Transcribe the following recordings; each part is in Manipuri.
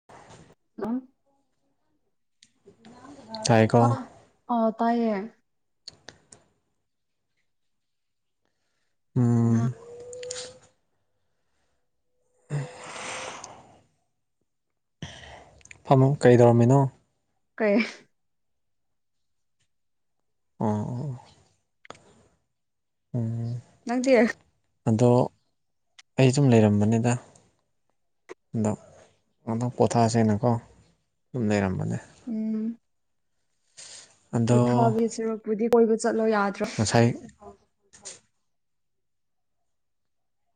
[inaudible] [unintelligible] ꯇꯥꯏꯀꯣ ꯑ ꯇꯥꯏꯌꯦ ꯑ ꯎꯝ ꯐꯝꯃꯣ ꯀꯩꯗꯧꯔꯝꯃꯤꯅꯣ ꯀꯩ ꯑꯣ ꯎꯝ ꯅꯪ ꯗꯤ ꯑꯗꯣ ꯑꯩ ꯁꯨꯝ ꯂꯩꯔꯝꯕꯅꯤꯗ ꯑꯗꯣ ꯄꯣꯊꯁꯦꯅꯀꯣ ꯑꯗꯨꯝ ꯂꯩꯔꯝꯕꯅꯦ ꯎꯝ ꯑꯗꯣ ꯄꯣꯊꯥꯕꯤ ꯁꯔꯛꯄꯨꯗꯤ ꯀꯣꯏꯕ ꯆꯠꯂꯣ ꯌꯥꯗ꯭ꯔꯥ ꯉꯁꯥꯏ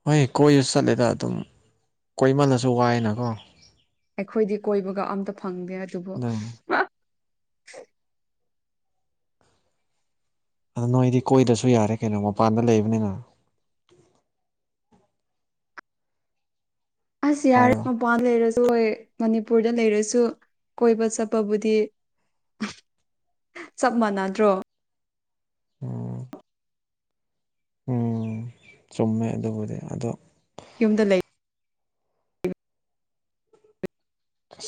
ꯍꯣꯏ ꯀꯣꯏꯁꯨ ꯆꯠꯂꯦꯗ ꯑꯗꯨꯝ ꯀꯣꯏꯃꯜꯂꯁꯨ ꯋꯥꯏꯅꯀꯣ ꯑꯩꯈꯣꯏꯗꯤ ꯀꯣꯏꯕꯒ ꯑꯝꯇ ꯐꯪꯗꯦ ꯑꯗꯨꯕꯨ ꯑꯗꯨꯏꯅꯦ ꯑꯗ ꯅꯣꯏꯗꯤ ꯀꯣꯏꯗꯁꯨ ꯌꯥꯔꯦ ꯀꯩꯅꯣ ꯃꯄꯥꯟꯗ ꯂꯩꯕꯅꯤꯅ ꯑꯁ ꯌꯥꯔꯦ ꯇꯥꯕ꯭ꯔꯥ ꯃꯄꯥꯟ ꯂꯩꯔꯁꯨ ꯃꯅꯤꯄꯨꯔꯗ ꯂꯩꯔꯁꯨ ꯀꯣꯏꯕ ꯆꯠꯄꯕꯨꯗꯤ ꯆꯞ ꯃꯥꯟꯅꯗ꯭ꯔꯣ ꯎꯝ ꯎꯝ ꯆꯨꯝꯃꯦ ꯑꯗꯨꯕꯨꯗꯤ ꯑꯗꯣ ꯌꯨꯝꯗ ꯂꯩ ꯎ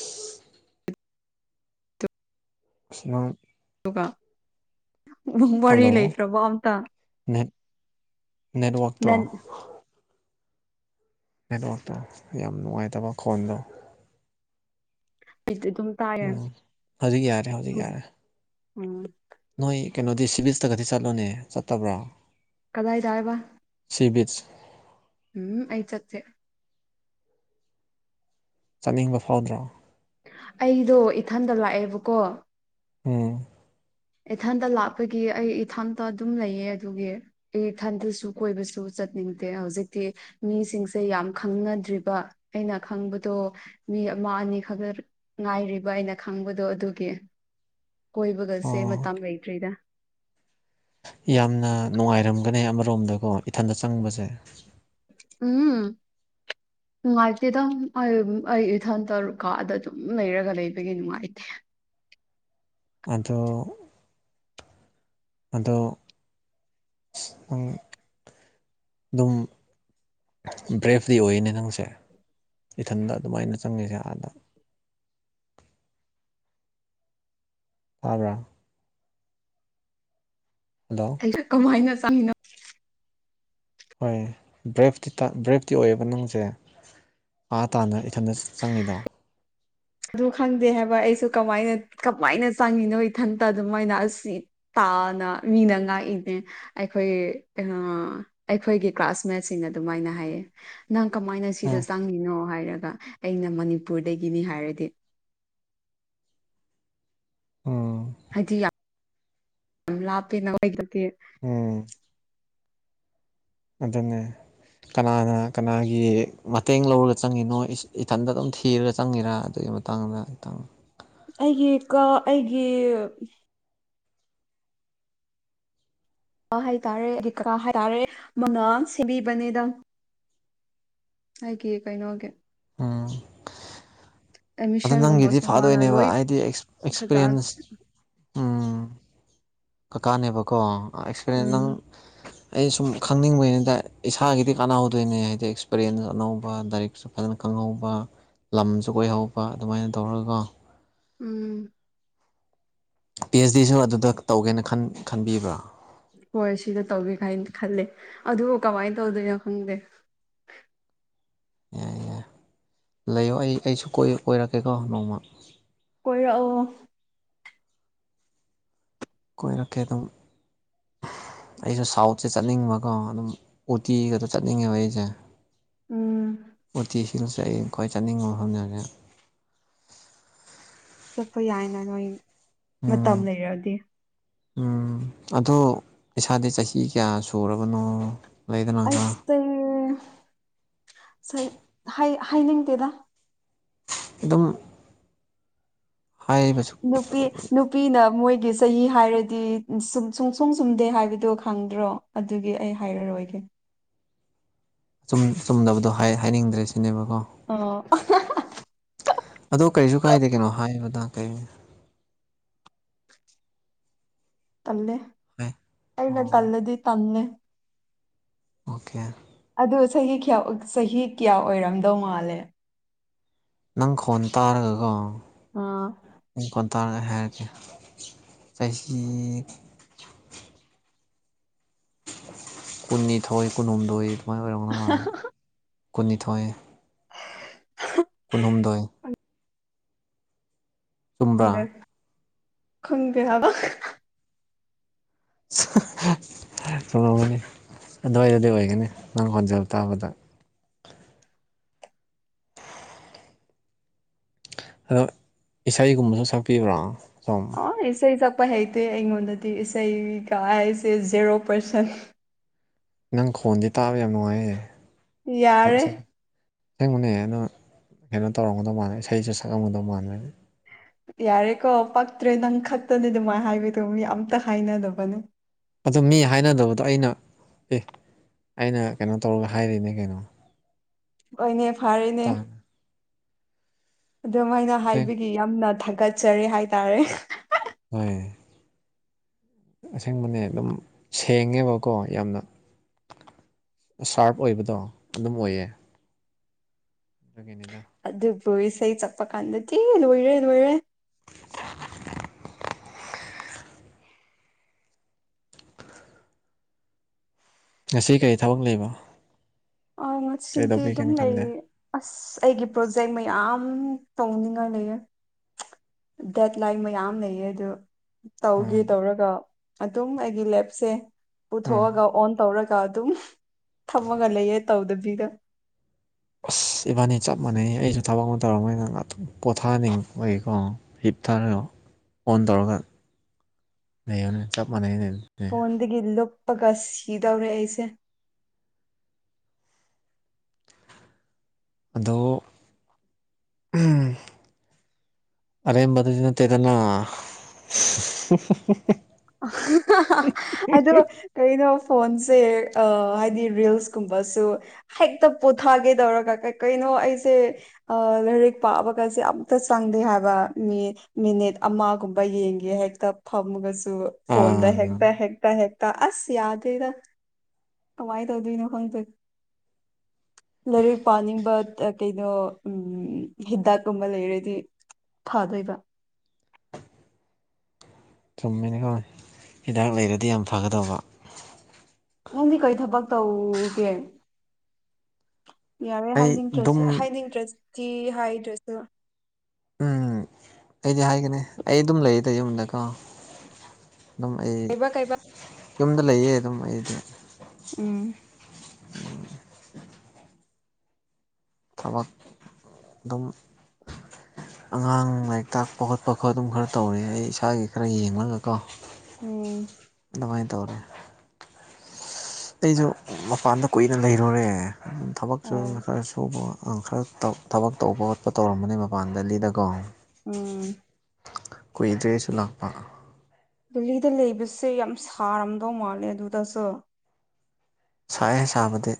ꯏꯃꯥꯡ ꯑꯗꯨꯒ ꯎꯃꯪ ꯋꯥꯔꯤ ꯍꯜꯂꯣ ꯂꯩꯇ꯭ꯔꯕ ꯑꯝꯇ ꯅꯦꯠ ꯅꯦꯠꯋꯥꯥꯛꯛꯇꯣ ꯅꯪ ꯅꯦꯠꯋꯔꯇꯣ ꯌꯥꯝ ꯅꯨꯡꯉꯥꯏꯇꯕ ꯈꯣꯟꯗꯣ ꯗꯤ ꯑꯗꯨꯝ ꯇꯥꯏꯌꯦ ꯎꯝ ꯍꯧꯖꯤꯛ ꯌꯥꯔꯦ ꯍꯧꯖꯤꯛ ꯌꯥꯔꯦ ꯎꯝ ꯅꯣꯏ ꯀꯩꯅꯣꯗꯤ ꯁꯤꯚꯜꯁꯇꯒꯗꯤ ꯆꯠꯂꯣꯅꯦ ꯆꯠꯇꯕ꯭ꯔꯣ ꯀꯗꯥ ꯏꯗꯑꯕ ꯁꯤꯕꯤꯁ ꯎꯝ ꯑꯩ ꯆꯠꯦ ꯆꯠꯅꯤꯡꯕ ꯐꯥꯎꯗ꯭ꯔꯣ ꯑꯩꯗꯣ ꯏꯊꯟꯗ ꯂꯥꯛꯑꯦꯕꯀꯣ ꯎꯝ ꯏꯊꯟꯇ ꯂꯥꯛꯄꯒꯤ ꯑꯩ ꯏꯊꯟꯇ ꯑꯗꯨꯝ ꯂꯩꯌꯦ ꯑꯗꯨꯒꯤ ꯑꯦ ꯊꯟꯗꯜꯁꯨ ꯀꯣꯏꯕꯁꯨ ꯆꯠꯅꯤꯡꯗꯦ ꯍꯧꯖꯤꯛꯇꯤ ꯃꯤꯁꯤꯡꯁꯦ ꯌꯥꯝ ꯈꯪꯅꯗ꯭ꯔꯤꯕ ꯑꯩꯅ ꯈꯪꯕꯗꯣ ꯃꯤ ꯑꯃ ꯑꯅꯤ ꯈꯛꯇ ꯉꯥꯏꯔꯤꯕ ꯑꯩꯅ ꯈꯪꯕꯗꯣ ꯑꯗꯨꯒꯤ ꯀꯣꯏꯕꯒ ꯆꯦꯟ ꯑꯣ ꯃꯇꯝ ꯂꯩꯇ꯭ꯔꯤꯗ ꯌꯥꯝꯅ ꯅꯨꯡꯉꯥꯏꯔꯝꯒꯅꯤ ꯑꯃꯔꯣꯝꯗꯀꯣ ꯏꯊꯟꯗ ꯆꯪꯕꯁꯦ ꯎꯝ ꯅꯨꯡꯉꯥꯏꯇꯦꯗꯪ ꯑꯩ ꯑꯩ ꯏꯊꯟꯇ ꯀꯥꯗ ꯗꯨꯝ ꯂꯩꯔꯒ ꯂꯩꯕꯒꯤ ꯅꯨꯡꯉꯥꯏꯇꯦ ꯑꯗꯣ ꯑꯗꯣ ꯅꯪ ꯗꯨꯝ ꯕ꯭ꯔꯦꯞꯇꯤ ꯑꯣꯏꯌꯦꯅꯦ ꯅꯪꯁꯦ ꯏꯊꯟꯗ ꯑꯗꯨꯃꯥꯏꯅ ꯆꯪꯉꯤꯁꯦ ꯑꯥꯗ ꯇꯥꯕ꯭ꯔꯥ ꯍꯜꯂꯣ ꯀꯃꯥꯏꯅ ꯆꯪꯉꯤꯅꯣ ꯍꯣꯏ ꯕ꯭ꯔꯦꯞꯇꯤ ꯇ ꯕ꯭ꯔꯦꯞꯇꯤ ꯑꯣꯏꯌꯦꯕ ꯅꯪꯁꯦ ꯑꯥ ꯇꯥꯟꯅ ꯏꯊꯟꯗ ꯆꯪꯉꯤꯗꯣ ꯑꯗꯨ ꯈꯪꯗꯦ ꯍꯥꯏꯕ ꯑꯩꯁꯨ ꯀꯃꯥꯏꯅ ꯀꯃꯥꯏꯅ ꯆꯪꯉꯤꯅꯣ ꯏꯊꯟꯇ ꯑꯗꯨꯃꯥꯏꯅ ꯑꯁꯤ ꯇꯥꯅ ꯃꯤꯅ ꯉꯥ ꯏꯅꯦ ꯑꯩꯈꯣꯏ ꯑ ꯑꯩꯈꯣꯏꯒꯤ ꯀ꯭ꯂꯥꯁꯃꯦꯠꯁꯤꯡꯅ ꯑꯗꯨꯃꯥꯏꯅ ꯍꯥꯏꯌꯦ ꯅꯪ ꯀꯃꯥꯏꯅ ꯁꯤꯗ ꯎꯝ ꯆꯪꯉꯤꯅꯣ ꯍꯥꯏꯔꯒ ꯑꯩꯅ ꯃꯅꯤꯄꯨꯔꯗꯒꯤꯅꯤ ꯍꯥꯏꯔꯗꯤ ꯎꯝ ꯍꯥꯏꯗꯤ ꯌꯥꯝ ꯂꯥꯞꯄꯦꯅꯥ ꯃꯣꯏꯒꯗꯤ ꯎꯝ ꯑꯗꯨꯅꯦ ꯀꯅꯥꯅ ꯀꯅꯥꯒꯤ ꯃꯇꯦꯡ ꯂꯧꯔ ꯆꯪꯉꯤꯅꯣ ꯏꯁ ꯏꯊꯟꯗ ꯑꯗꯨꯝ ꯊꯤꯔ ꯆꯪꯉꯤꯔꯥ ꯑꯗꯨꯏ ꯇꯥꯡꯗ ꯇꯪ ꯑꯩꯒꯤ ꯀ ꯑꯩꯒꯤ ꯍꯥꯏꯇꯥꯔꯦ ꯑꯩꯒꯤ ꯀꯀꯥ ꯍꯥꯏꯇꯥꯔꯦ ꯃꯥꯅ ꯁꯦꯝꯕꯤꯕꯅꯤꯗ ꯑꯩꯒꯤ ꯀꯩꯅꯣꯒꯤ ꯎꯝ ꯑꯗꯣ ꯅꯪꯒꯤꯗꯤ ꯑꯦꯠꯃꯤꯁꯟꯒꯨꯝꯕꯁꯨ ꯃꯥꯅ ꯐꯥꯗꯣꯏꯅꯦꯕ ꯂꯣꯏ ꯑꯩꯗꯤ ꯑꯦꯛꯁ ꯐꯖꯅ ꯑꯦꯛꯁꯄꯤꯔꯦꯟꯁ ꯎꯝ ꯀꯀꯥꯅꯦꯕꯀꯣ ꯑꯦꯛꯁꯀꯔꯦꯟ ꯅꯪ [unintelligible] ꯑꯩ ꯁꯨꯝ ꯈꯪꯅꯤꯡꯕꯩꯅꯤꯗ ꯏꯁꯥꯒꯤꯗꯤ ꯀꯥꯟꯅꯍꯧꯗꯣꯏꯅꯦ ꯍꯥꯏꯗꯤ ꯑꯦꯛꯁꯄꯤꯔꯦꯟ ꯑꯅꯧꯕ ꯂꯥꯏꯔꯤꯛ ꯁꯨ ꯐꯖꯅ ꯈꯪꯍꯧꯕ ꯂꯝꯁꯨ ꯀꯣꯏꯍꯧꯕ ꯑꯗꯨꯃꯥꯏꯅ ꯇꯧꯔꯒ ꯀꯣ ꯎꯝ ꯄꯤ ꯑꯩꯆ ꯗꯤꯁꯨ ꯑꯗꯨꯗ ꯇꯧꯒꯦꯅ ꯈꯟ ꯈꯟꯕꯤꯕ꯭ꯔꯥ ꯍꯣꯏ ꯁꯤꯗ ꯇꯧꯒꯦ ꯀꯥꯏꯅ ꯈꯜꯂꯦ ꯑꯗꯨ ꯀꯃꯥꯏ ꯇꯧꯗꯣꯏꯅꯣ ꯈꯪꯗꯦ ꯌꯥꯏ ꯌꯥꯏ ꯂꯩꯌꯣ ꯑꯩ ꯑꯩꯁꯨ ꯀꯣꯏ ꯀꯣꯏꯔꯛꯀꯦꯀꯣ ꯅꯣꯡꯃ ꯀꯣꯏꯔꯛꯑꯣ ꯀꯣꯏꯔꯛꯀꯦ ꯑꯗꯨꯝ ꯑꯩꯁꯨ ꯁꯥꯎꯠꯁꯦ ꯆꯠꯅꯤꯡꯕꯀꯣ ꯑꯗꯨꯝ ꯎꯇꯤꯒꯗ ꯆꯠꯅꯤꯡꯉꯦꯕ ꯑꯩꯁꯦ ꯎꯝ ꯎꯇꯤ ꯍꯤꯜꯁꯦ ꯑꯩ ꯈ꯭ꯋꯥꯏ ꯆꯠꯅꯤꯡꯕ ꯃꯐꯝꯅꯦ ꯍꯧꯖꯤꯛ ꯆꯠꯄ ꯌꯥꯏꯅ ꯅꯣꯏ ꯃꯇꯝ ꯎꯝ ꯂꯩꯔꯗꯤ ꯎꯝ ꯑꯗꯣ ꯏꯁꯥꯗꯤ ꯆꯍꯤ ꯀꯌꯥ ꯁꯨꯔꯕꯅꯣ ꯂꯩꯗꯅ ꯑꯩꯁ ꯇꯦꯡ ꯁ ꯍꯥꯏ ꯍꯥꯏꯅꯤꯡꯇꯦꯗ ꯑꯗꯨꯝ ꯍꯥꯏꯕꯁꯨ ꯅꯨꯄꯤ ꯅꯨꯞ ꯄꯤꯅ ꯃꯣꯏꯒꯤ ꯆꯍꯤ ꯍꯥꯏꯔꯗꯤ ꯁꯨꯡ ꯁꯨꯡꯁꯨꯝ ꯆꯨꯝꯗꯦ ꯍꯥꯏꯕꯗꯣ ꯈꯪꯗ꯭ꯔꯣ ꯑꯗꯨꯒꯤ ꯑꯩ ꯍꯥꯏꯔꯔꯣꯏꯒꯦ ꯆꯨꯝ ꯆꯨꯝꯗꯅꯕꯗꯣ ꯍꯥꯏ ꯍꯥꯏꯅꯤꯡꯗ꯭ꯔꯦ ꯁꯤꯅꯦꯕꯀꯣ ꯑꯣ ꯑꯍꯥꯍ ꯑꯗꯣ ꯀꯔꯤꯁꯨ ꯀꯥꯏꯗꯦ ꯀꯩꯅꯣ ꯍꯥꯏꯕꯗ ꯀꯩ ꯇꯜꯂꯦ ꯍꯥꯏ ꯑꯩꯅ ꯑꯣ ꯇꯜꯂꯦꯗꯤ ꯇꯟꯅꯦ ꯑꯣꯀꯦ ꯑꯗꯨ ꯆꯍꯤ ꯀꯌꯥ ꯆꯍꯤ ꯀꯌꯥ ꯑꯣꯏꯔꯝꯗꯧ ꯃꯥꯜꯂꯦ ꯅꯪ ꯈꯣꯟ ꯇꯥꯔꯒꯀꯣ ꯑꯥ ꯑꯗꯨ ꯀꯣꯟ ꯇꯥꯔꯒ ꯍꯥꯏꯔꯛꯒꯦ ꯆꯍꯤ ꯀꯨꯟꯅꯤꯊꯣꯏ ꯀꯨꯟꯍꯨꯝꯗꯣꯏ ꯑꯗꯨꯃꯥꯏꯅ ꯑꯣꯏꯔꯝꯒꯅ ꯃꯥꯜꯂꯦ ꯀꯨꯟꯅꯤꯊꯣꯏ [inaudible] ꯀꯨꯟꯍꯨꯝꯗꯣꯏ ꯆꯨꯝꯕ꯭ꯔꯥ ꯈꯪꯗꯦ ꯈꯪꯗꯦ ꯍꯥꯏꯕ ꯒꯅꯤ ꯑꯗꯨꯋꯥꯏꯗꯗꯤ ꯑꯣꯏꯒꯅꯤ ꯅꯪ ꯍꯣꯟꯖꯕ ꯇꯥꯕꯗ ꯑꯗꯣ ꯏꯁꯩꯒꯨꯝꯕꯁꯨ ꯁꯛꯄꯤꯕ꯭ꯔꯣ ꯁꯣꯝ ꯑꯣ ꯏꯁꯩ ꯁꯛꯄ ꯍꯩꯇꯦ ꯑꯩꯉꯣꯟꯗꯗꯤ ꯏꯁꯩꯒ ꯍꯥꯏꯁꯦ ꯖꯦꯔꯣ ꯄꯥꯔꯁꯦꯟ ꯅꯪ ꯈꯣꯟꯗꯤ ꯇꯥꯕ ꯌꯥꯝ ꯅꯨꯡꯉꯥꯏꯌꯦ ꯅꯪ ꯌꯥꯔꯦ ꯏꯁ ꯁꯦꯡꯕꯅꯦ ꯑꯅ ꯀꯩꯅꯣ ꯇꯧꯔꯝꯒꯗꯧ ꯃꯥꯟꯂꯦ ꯏꯁꯩꯁꯦ ꯁꯛꯂꯝꯝꯒꯗꯧ ꯃꯜꯅꯦꯅꯦ ꯌꯥꯔꯦꯀꯣ ꯄꯛꯇ꯭ꯔꯦ ꯅꯪ ꯈꯛꯇꯅꯦ ꯑꯗꯨꯃꯥꯏꯅ ꯍꯥꯏꯕꯗꯣꯅꯤ ꯑꯝꯇ ꯍꯥꯏꯅꯗꯅꯕꯅꯦ ꯑ ꯃꯤ ꯍꯥꯏꯅꯗꯕꯗꯣ ꯑꯩꯅ ꯑꯦ ꯑꯩꯅ ꯀꯩꯅꯣ ꯇꯧꯔꯒ ꯍꯥꯏꯔꯤꯅꯦ ꯀꯩꯅꯣ ꯑꯣꯏꯅꯦ ꯐꯥꯔꯦꯅꯦ ꯑꯗꯨꯃꯥꯏꯅ ꯑꯁꯦꯡ ꯍꯥꯏꯕꯒꯤ ꯌꯥꯝꯅ ꯊꯥꯒꯠꯆꯔꯤ ꯍꯥꯏꯇꯥꯔꯦ ꯍꯣꯏ ꯑꯁꯦꯡꯕꯅꯦ ꯑꯗꯨꯝ ꯁꯦꯡꯉꯦꯕꯀꯣ ꯌꯥꯝꯅ ꯁꯥꯔꯞ ꯑꯣꯏꯕꯗꯣ ꯑꯗꯨꯝ ꯑꯣꯏꯌꯦ ꯀꯦꯅꯤꯗ [inaudible] ꯑꯗꯨꯕꯨ ꯏꯁꯩ ꯆꯠꯄ ꯀꯥꯟꯗꯇꯤ ꯂꯣꯏꯔꯦ ꯂꯣꯏꯔꯦ ꯉꯁꯤ ꯀꯔꯤ ꯊꯕꯛ ꯂꯩꯕꯣ ꯑ ꯉꯁꯤꯗꯤ ꯑꯗꯨꯝ ꯈꯜꯂꯦ ꯂꯩꯌꯦ ꯑꯁ ꯑꯩꯒꯤ ꯄ꯭ꯔꯣꯖꯦꯛ ꯃꯌꯥꯝ ꯇꯧꯅꯤꯡꯉꯥꯏ ꯂꯩꯌꯦ ꯗꯦꯠ ꯂꯥꯏꯟ ꯃꯌꯥꯝ ꯂꯩꯌꯦ ꯑꯗꯨ ꯇꯧꯒꯦ ꯎꯝ ꯇꯧꯔꯒ ꯑꯗꯨꯝ ꯑꯩꯒꯤ ꯂꯦꯞꯁꯦ ꯎꯝ ꯄꯨꯊꯣꯛꯑꯒ ꯑꯣꯟ ꯇꯧꯔꯒ ꯑꯗꯨꯝ ꯐꯝꯃꯒ ꯂꯩꯌꯦ ꯇꯧꯗꯕꯤꯗꯥ ꯑꯁ ꯏꯕꯥꯅꯤ ꯆꯞ ꯃꯥꯟꯅꯩ ꯑꯩꯁꯨ ꯊꯕꯛ ꯑꯃ ꯇꯧꯔꯝꯃꯅꯤ ꯉꯍꯥꯛꯇꯪ ꯄꯣꯊꯥꯍꯅꯤꯡꯕꯒꯤꯀꯣ ꯍꯤꯞ ꯊꯥꯔꯒ ꯑꯣꯟ ꯇꯧꯔꯒ ꯂꯩꯌꯣꯅꯤ ꯆꯞ ꯃꯥꯟꯅꯩꯅꯦꯅꯤ ꯐꯣꯟꯗꯒꯤ ꯂꯨꯞꯄꯒ ꯁꯤꯗꯧꯔꯦ ꯑꯩꯁꯦ ꯑꯗꯣ ꯑꯔꯦꯝ ꯃꯗꯨꯗ ꯅꯠꯇꯦꯗꯅꯥ ꯑꯗ ꯀꯩꯅꯣ ꯐꯣꯟꯁꯦ ꯍꯥꯏꯗꯤ ꯔꯤꯜꯁꯀꯨꯝꯕꯁꯨ ꯍꯦꯛꯇ ꯄꯣꯊꯥꯒꯦ ꯇꯧꯔꯒ ꯀꯩꯅꯣ ꯑꯩꯁꯦ ꯑ ꯂꯥꯏꯔꯤꯛ ꯄꯥꯕꯒꯁꯦ ꯑꯃꯇ ꯆꯪꯗꯦ ꯍꯥꯏꯕ ꯃꯤ ꯃꯤꯅꯤꯠ ꯑꯃꯒꯨꯝꯕ ꯌꯦꯡꯒꯦ ꯍꯦꯛꯇ ꯐꯝꯃꯒꯁꯨ ꯐꯣꯟꯗ ꯑꯥ ꯍꯦꯛꯇ ꯍꯦꯛꯇ ꯍꯦꯛꯇ ꯑꯁ ꯌꯥꯗꯦꯗꯥ ꯀꯃꯥꯏ ꯇꯧꯗꯣꯏꯅꯣ ꯈꯪꯗꯦ ꯂꯥꯏꯔꯤꯛ ꯄꯥꯅꯤꯡꯕ ꯀꯩꯅꯣ ꯎ ꯍꯤꯗꯥꯛꯀꯨꯝꯕ ꯂꯩꯔꯗꯤ ꯐꯥꯗꯣꯏꯕ ꯆꯨꯝꯃꯦꯅ ꯈꯪ ꯍꯤꯗꯥꯛ ꯂꯩꯔꯗꯤ ꯌꯥꯝ ꯐꯒꯗꯧꯕ ꯅꯪꯗꯤ ꯀꯩ ꯊꯕꯛ ꯇꯧꯒꯦ ꯌꯥꯔꯦ ꯑꯩ ꯑꯗꯨꯝ ꯍꯥꯏꯅꯤꯡꯗ꯭ꯔꯁꯨ ꯍꯥꯏꯅꯤꯡꯗ꯭ꯔꯗꯤ ꯍꯥꯏꯗ꯭ꯔꯁꯨ ꯎꯝ ꯑꯩꯗꯤ ꯍꯥꯏꯒꯅꯤ ꯑꯩ ꯑꯗꯨꯝ ꯂꯩꯌꯦꯗ ꯌꯨꯝꯗꯀꯣ ꯑꯗꯨꯝ ꯑꯩ ꯀꯩꯕ ꯀꯩꯕ ꯌꯨꯝꯗ ꯂꯩꯌꯦ ꯑꯗꯨꯝ ꯑꯩꯗꯤ ꯎꯝ ꯊꯕꯛ ꯑꯗꯨꯝ [inaudible] ꯑꯉꯥꯡ ꯂꯥꯏꯔꯤꯛ ꯇꯥꯛꯄ ꯈꯣꯠꯄ ꯈꯣ ꯑꯗꯨꯝ ꯈꯔ ꯇꯧꯔꯦ ꯑꯩ ꯏꯁꯥꯒꯤ ꯈꯔ ꯌꯦꯡꯂꯒꯀꯣ ꯎꯝ ꯃꯥꯏ ꯇꯧꯔꯦ ꯑꯩꯁꯨ ꯃꯄꯥꯟꯗ ꯀꯨꯏꯅ ꯂꯩꯔꯨꯔꯦ ꯊꯕꯛꯁꯨꯨ ꯑꯣ ꯈꯔ ꯁꯨꯕ ꯈꯔ ꯊꯕꯛ ꯇꯧꯕ ꯈꯣꯠꯄ ꯇꯧꯔꯝꯕꯅꯦ ꯃꯄꯥꯟꯗ ꯂꯤꯗꯀꯣ ꯎꯝ ꯀꯨꯏꯗ꯭ꯔꯦꯁꯨ ꯂꯥꯛꯄ ꯗꯦꯜꯂꯤꯗ ꯂꯩꯕꯁꯦ ꯌꯥꯝ ꯁꯥꯔꯝꯗꯧ ꯃꯥꯜꯂꯦ ꯑꯗꯨꯗꯁꯨ ꯁꯥꯏ ꯁꯥꯕꯗꯤ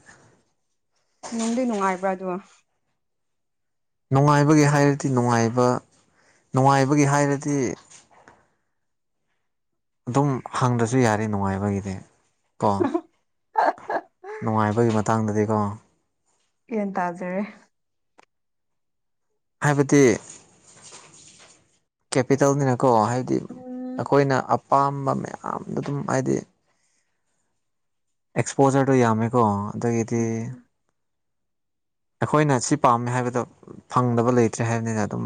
ꯅꯨꯡꯗꯤ ꯅꯨꯡꯉꯥꯏꯕ꯭ꯔꯥ ꯑꯗꯨꯒꯣ ꯅꯨꯡꯉꯥꯏꯕꯒꯤ ꯍꯥꯏꯔꯗꯤ ꯅꯨꯡꯉꯥꯏꯕ ꯅꯨꯡꯉꯥꯏꯕꯒꯤ ꯍꯥꯏꯔꯗꯤ ꯑꯗꯨꯝ ꯍꯪꯗ꯭ꯔꯁꯨ ꯌꯥꯔꯤ ꯅꯨꯡꯉꯥꯏꯕꯒꯤꯗꯤ ꯀꯣ [unintelligible] ꯅꯨꯡꯉꯥꯏꯕꯒꯤ ꯃꯇꯥꯡꯗꯗꯤꯀꯣ ꯟ ꯇꯥꯖꯔꯦ ꯍꯥꯏꯕꯗꯤ ꯀꯦꯄꯤꯇꯦꯜꯅꯤꯅꯀꯣ ꯍꯥꯏ ꯍꯥꯏꯗꯤ ꯎꯝ ꯑꯩꯈꯣꯏꯅ ꯑꯄꯥꯝꯕ ꯃꯌꯥꯝꯗ ꯑꯗꯨꯝ ꯍꯥꯏꯗꯤ ꯑꯦꯛꯁꯄꯣꯖꯔꯗꯨꯣ ꯌꯥꯝꯃꯦꯀꯣ ꯑꯗꯨꯗꯒꯤꯗꯤ ꯎꯝ ꯑꯩꯈꯣꯏꯅ ꯁꯤ ꯄꯥꯝꯃꯦ ꯍꯥꯏꯕꯗ ꯐꯪꯗꯕ ꯂꯩꯇ꯭ꯔꯦ ꯍꯥꯏꯕꯅꯤꯅ ꯑꯗꯨꯝ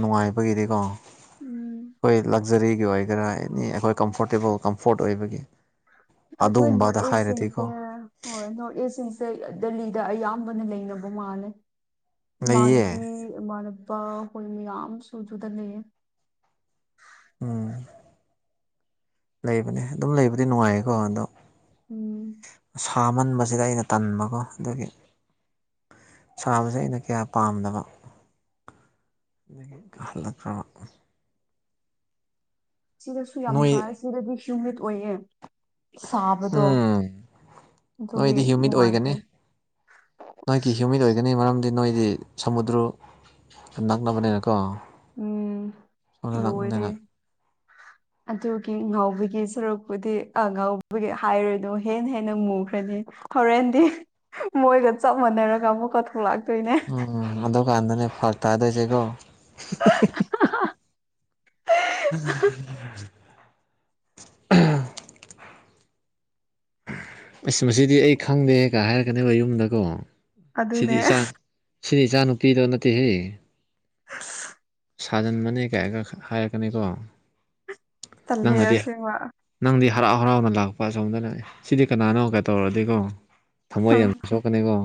ꯅꯨꯡꯉꯥꯏꯕꯒꯤꯗꯤꯀꯣ ꯎꯝ ꯑꯩꯈꯣꯏ ꯂꯛꯖꯔꯤꯒꯤ ꯑꯣꯏꯒꯦꯔꯥ ꯑꯦꯅꯤ ꯑꯩꯈꯣꯏ ꯀꯝꯐꯣꯔꯇꯦꯕꯜ ꯀꯝꯐꯣꯔꯠ ꯑꯣꯏꯕꯒꯤ ꯑꯩꯈꯣꯏ ꯑꯗꯨꯒꯨꯝꯕꯗ ꯅꯣꯔꯠ ꯏꯁ ꯍꯥꯏꯔꯗꯤꯀꯣ ꯁꯤꯡꯁꯦ ꯍꯣꯏ ꯅꯣꯔꯠ ꯏꯁꯁꯤꯡꯦ ꯦ ꯗꯦꯜꯂꯤꯗ ꯑꯌꯥꯝꯕꯅ ꯂꯩꯅꯕ ꯃꯥꯜꯂꯦ ꯂꯩꯌꯦ ꯏꯃꯥꯟꯅꯕꯤ ꯃꯅꯄꯥ ꯍꯣꯏ ꯃꯤ ꯌꯥꯝ ꯁꯨꯖꯨꯗ ꯂꯩ ꯎꯝ ꯂꯩꯕꯅꯦ ꯑꯗꯨꯝ ꯂꯩꯕꯗꯤ ꯅꯨꯡꯉꯥꯏꯌꯦꯀꯣ ꯑꯗꯣ ꯎꯝ ꯁꯥꯃꯟꯕꯁꯤꯗ ꯑꯩꯅ ꯇꯟꯕꯀꯣ ꯑꯗꯨꯒꯤ ꯁꯥꯕꯁꯦ ꯑꯩꯅ ꯀꯌꯥ ꯄꯥꯝꯗꯕ ꯗꯒꯤ ꯀꯍꯂ꯭ꯔ [inaudible] ꯁꯤꯗꯁꯨ ꯌꯥꯝ ꯅꯣꯏ ꯐꯔꯦ ꯁꯤꯗꯗꯤ ꯁꯃꯤꯠ ꯑꯣꯏꯌꯦ ꯁꯥꯕꯗꯣ ꯎꯝ ꯑꯗꯨꯒꯤ ꯅꯣꯏꯗꯤ ꯅꯨꯡꯉꯥꯏꯇꯦ ꯃꯥꯒꯤ ꯍ꯭ꯌꯨꯃꯤꯠ ꯑꯣꯏꯒꯅꯤ ꯃꯔꯝꯗꯤ ꯅꯣꯏꯗꯤ ꯁꯃꯨꯗ꯭ꯔ ꯅꯛꯅꯕꯅꯤꯅꯀꯣ ꯎꯝ ꯁꯃꯨꯗ꯭ꯔ ꯅꯛꯅꯕꯅꯤꯅ ꯂꯣꯏꯔꯦ ꯑꯗꯨꯒꯤ ꯉꯥꯎꯕꯒꯤ ꯁꯔꯨꯛꯄꯨꯗꯤ ꯉꯥꯎꯕꯒꯤ ꯍꯥꯏꯔꯣꯏꯗꯣ ꯍꯦꯟꯅ ꯍꯦꯟꯅ ꯃꯨꯈ꯭ꯔꯅꯤ ꯍꯣꯔꯦꯟꯗꯤ ꯃꯣꯏꯒ ꯆꯞ ꯃꯥꯟꯅꯔꯒ ꯑꯃꯨꯛꯒ ꯊꯣꯛꯂꯥꯛꯇꯣꯏꯅꯦ ꯎꯝ ꯑꯗꯨ ꯀꯥꯟꯗꯅꯦ ꯐꯔꯛ ꯇꯥꯗꯣꯏꯁꯦꯀꯣ ꯎꯝ [inaudible] ꯑꯁ ꯃꯁꯤꯗꯤ ꯑꯩ ꯈꯪꯗꯦꯒꯥꯢ ꯍꯥꯏꯔꯛꯀꯅꯦꯕ ꯌꯨꯝꯗꯀꯣ ꯁꯤꯗꯤ ꯑꯗꯨꯅꯦ ꯏꯆꯥꯡ ꯁꯤꯗꯤ ꯏꯆꯥꯅꯨꯄꯤꯗꯣ ꯅꯠꯇꯦꯍꯦ ꯁꯥꯖꯤꯟꯕꯅꯦ ꯒꯥꯢꯅ ꯍꯥꯏꯔꯛꯀꯅꯤꯀꯣ ꯇꯜꯂꯦ ꯅꯪꯅꯗꯤ ꯑꯁꯦꯡꯕ ꯅꯪꯗꯤ ꯍꯔꯥꯎ ꯍꯔꯥꯎꯅ ꯂꯥꯛꯄ ꯑꯁꯣꯝꯗꯅ ꯁꯤꯗꯤ ꯀꯅꯥꯅꯣ ꯀ ꯇꯧꯔꯗꯤꯀꯣ ꯊꯃꯣꯏ ꯌꯥꯝ ꯁꯣꯛꯀꯅꯤꯀꯣ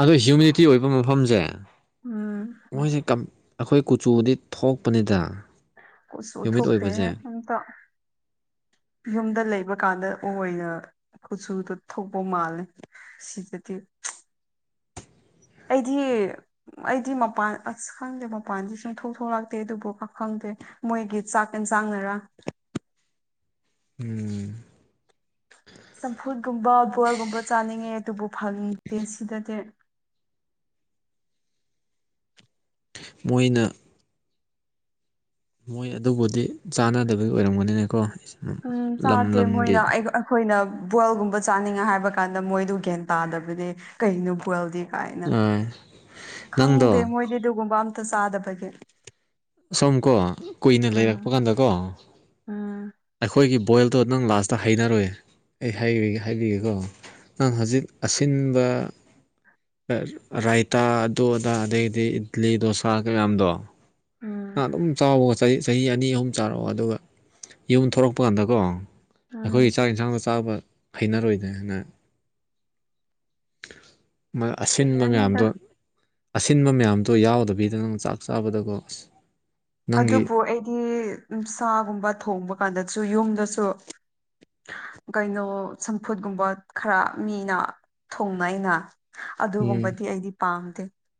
ꯑꯗꯣ ꯍꯤꯌꯨꯃꯤꯗꯤꯇꯤ ꯑꯣꯏꯕ ꯃꯐꯝꯁꯦ ꯎꯝ ꯃꯣꯏꯁꯦ ꯑꯩꯈꯣꯏ ꯀꯨꯆꯨꯗꯤ ꯊꯣꯛꯄꯅꯤꯗ ꯀꯨꯆꯨ ꯍ꯭ꯌꯨꯃꯤꯠ ꯊꯣꯛꯇꯦꯍꯦ ꯑꯣꯏꯕꯁꯦ ꯑꯝꯇ ꯌꯨꯝꯗ ꯂꯩꯕ ꯀꯥꯟꯗ ꯑꯣꯏꯅ ꯀꯨꯆꯨꯗꯣ ꯊꯣꯛꯕ ꯃꯥꯜꯂꯦ ꯁꯤꯗꯗꯤ ꯑꯩꯗꯤ ꯑꯩꯗꯤ ꯃꯄꯥꯟ ꯑꯁ ꯈꯪꯗꯦ ꯃꯄꯥꯟꯗꯤ ꯁꯨꯡꯊꯣꯛ ꯊꯣꯛꯂꯛꯇꯦ ꯑꯗꯨꯕꯨ ꯀ ꯈꯪꯗꯦ ꯃꯣꯏꯒꯤ ꯆꯥꯛ ꯌꯦꯟꯁꯥꯡꯅꯔ ꯎꯝ ꯆꯝꯐꯨꯠꯒꯨꯝꯕ ꯕꯣꯜꯒꯨꯝꯕ ꯆꯥꯅꯤꯡꯉꯦ ꯑꯗꯨꯕꯨ ꯐꯪꯗꯦ ꯁꯤꯗꯗꯤ ꯃꯣꯏꯅ ꯃꯣꯏ ꯑꯗꯨꯕꯨꯗꯤ ꯆꯥꯟꯅꯗꯕꯒꯤ ꯑꯣꯏꯔꯝꯒꯅꯤꯅꯦꯀꯣ ꯎꯝ ꯆꯥꯗꯦ ꯃꯣꯏꯅ ꯑꯩ ꯑꯩꯈꯣꯏꯅ ꯕꯣꯏꯜꯒꯨꯝꯕ ꯆꯥꯅꯤꯡꯉꯦ ꯍꯥꯏꯕ ꯀꯥꯟꯗ ꯃꯣꯏꯗꯨ ꯒ꯭ꯌꯥꯟ ꯇꯥꯗꯕꯅꯦ ꯀꯩꯅꯣ ꯕ꯭ꯔꯣꯏꯜꯗꯤ ꯀꯥꯏꯅ ꯑꯥ ꯈꯪꯗꯦ ꯅꯪꯗꯣ ꯃꯣꯏꯗꯤ ꯑꯗꯨꯒꯨꯝꯕ ꯑꯝꯇ ꯆꯥꯗꯕꯒꯤ ꯁꯣꯝ ꯀꯣ ꯀꯨꯏꯅ ꯂꯩꯔꯛꯄ ꯎꯝ ꯀꯥꯟꯗꯀꯣ ꯎꯝ ꯑꯩꯈꯣꯏꯒꯤ ꯕꯣꯏꯜꯗꯣ ꯅꯪ ꯂꯥꯁꯇ ꯍꯩꯅꯔꯣꯏ ꯑꯩ ꯍꯥꯏꯕꯤꯒꯦꯀꯣ ꯅꯪ ꯍꯧꯖꯤꯛ ꯑꯁꯤꯟꯕ ꯔꯥꯏꯇꯥ ꯑꯗꯨ ꯑꯗꯥ ꯑꯗꯨꯗꯒꯤꯗꯤ ꯏꯗꯂꯤ ꯗꯣꯁꯥ ꯀꯌꯥꯝꯗꯣ ꯎꯝ ꯑꯗꯨꯝ ꯆꯥꯎꯕꯀꯣ ꯆꯍꯤ ꯑꯅꯤ ꯑꯍꯨꯝ ꯆꯥꯔꯛꯑꯣ ꯑꯗꯨꯒ ꯌꯨꯝ ꯊꯣꯔꯛꯄ ꯀꯥꯟꯗꯀꯣ ꯎꯝ ꯑꯩꯈꯣꯏꯒꯤ ꯆꯥꯛ ꯌꯦꯟꯁꯥꯡꯗꯣ ꯆꯥꯕ ꯍꯩꯅꯔꯣꯏꯅꯦ ꯅꯪ ꯑꯁꯤꯟꯕ ꯍꯩꯔꯅꯤꯗ ꯃꯌꯥꯝꯗꯣ ꯑꯁꯤꯟꯕ ꯃꯌꯥꯝꯗꯣ ꯌꯥꯎꯗꯕꯤꯗꯅꯦ ꯆꯥꯛ ꯆꯥꯕꯀꯣ ꯑꯁ ꯅꯪꯒꯤ ꯑꯗꯨꯕꯨ ꯑꯩꯗꯤ ꯁꯥꯒꯨꯝꯕ ꯊꯣꯡꯕ ꯀꯥꯟꯗꯁꯨ ꯌꯨꯝꯗꯁꯨ ꯀꯩꯅꯣ ꯆꯝꯐꯨꯠꯒꯨꯝꯕ ꯈꯔ ꯃꯤꯅ ꯊꯣꯡꯅꯩ ꯑꯩꯅ ꯎꯝ ꯑꯗꯨꯒꯨꯝꯕꯗꯤ ꯑꯩꯗꯤ ꯄꯥꯝꯗꯦ